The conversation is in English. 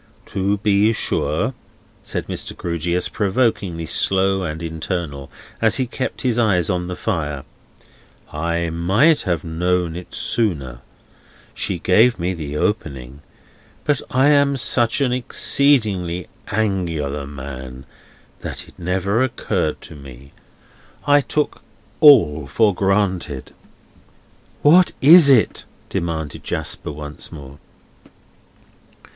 "To be sure," said Mr. Grewgious, provokingly slowly and internally, as he kept his eyes on the fire: "I might have known it sooner; she gave me the opening; but I am such an exceedingly Angular man, that it never occurred to me; I took all for granted." "What is it?" demanded Jasper once more.